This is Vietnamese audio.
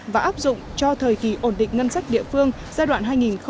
và áp dụng cho thời kỳ ổn định ngân sách địa phương giai đoạn hai nghìn một mươi sáu hai nghìn hai mươi